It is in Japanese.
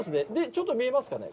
ちょっと見えますかね？